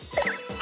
あ！